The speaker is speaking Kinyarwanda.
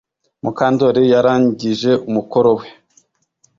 Mukandoli yarangije umukoro we